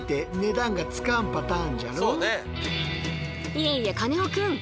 いえいえカネオくん！